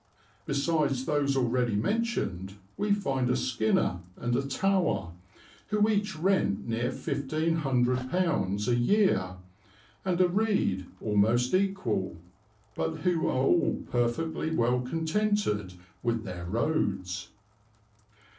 Besides those already mentioned we find a Skinner and a Tower, who each rent near £1500 a year, and a Read almost equal; but who are all perfectly well contented with their roads."